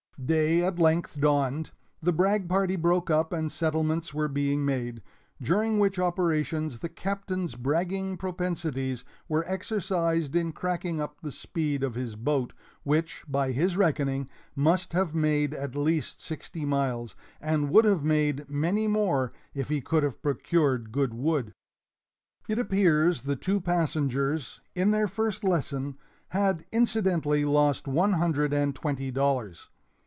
Day at length dawned. The brag party broke up and settlements were being made, during which operations the Captain's bragging propensities were exercised in cracking up the speed of his boat, which, by his reckoning, must have made at least sixty miles, and would have made many more if he could have procured good wood. It appears the two passengers, in their first lesson, had incidentally lost one hundred and twenty dollars.